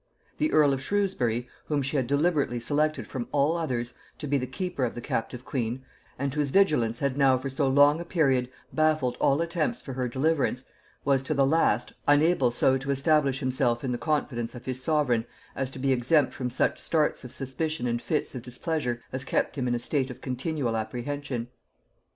The earl of Shrewsbury, whom she had deliberately selected from all others to be the keeper of the captive queen, and whose vigilance had now for so long a period baffled all attempts for her deliverance, was, to the last, unable so to establish himself in the confidence of his sovereign as to be exempt from such starts of suspicion and fits of displeasure as kept him in a state of continual apprehension.